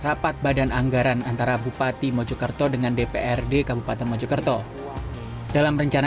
rapat badan anggaran antara bupati mojokerto dengan dprd kabupaten mojokerto dalam rencana